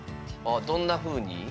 どんなふうに？